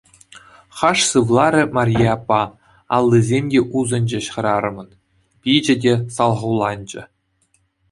Хаш сывларӗ Марье аппа, аллисем те усӑнчӗҫ хӗрарӑмӑн, пичӗ те салхуланчӗ.